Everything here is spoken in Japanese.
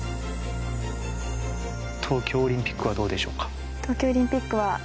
東京オリンピックはどうでしょうか？